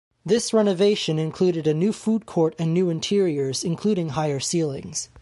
This renovation included a new food court and new interiors, including higher ceilings.